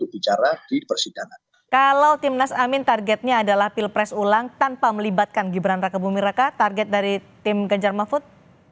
kepala tim nas amin targetnya adalah pilpres ulang tanpa melibatkan gibran raka bumiraka target dari tim genjar mahfud